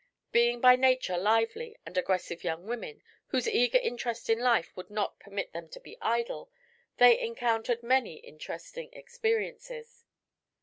Being by nature lively and aggressive young women, whose eager interest in life would not permit them to be idle, they encountered many interesting experiences.